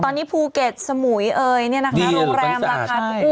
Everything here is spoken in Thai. ตอนนี้ภูเก็ตสมุยเอ่ยโรงแรมราคาถูก